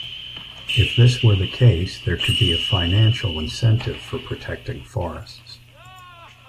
If this were the case, there could be a financial incentive for protecting forests.